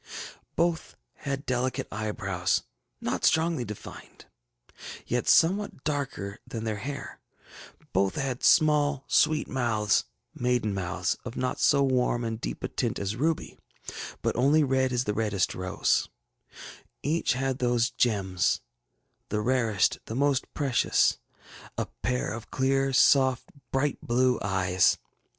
Both had delicate eyebrows, not strongly defined, yet somewhat darker than their hair; both had small sweet mouths, maiden mouths, of not so warns and deep a tint as ruby, but only red as the reddest rose; each had those gems, the rarest, the most precious, a pair of clear, soft bright blue eyes.